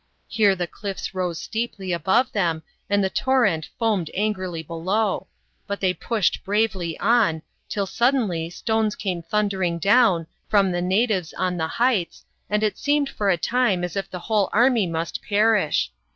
Here the cliffs rose steeply above them and the torrent foamed angrily below ; but they pushed bravely on, till suddenly, stones came thundering down, from the natives, on the heights, and it seemed for a time, as if the whole army must perish.